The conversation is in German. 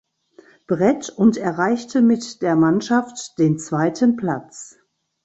Brett und erreichte mit der Mannschaft den zweiten Platz.